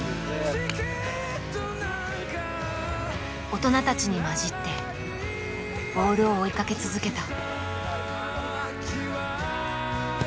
大人たちに交じってボールを追いかけ続けた。